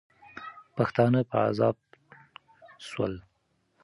پښتانه په عذاب سول.